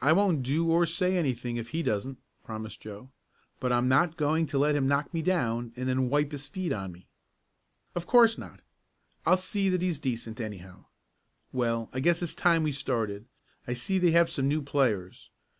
"I won't do or say anything if he doesn't," promised Joe. "But I'm not going to let him knock me down and then wipe his feet on me." "Of course not. I'll see that he's decent, anyhow. Well, I guess it's time we started. I see they have some new players.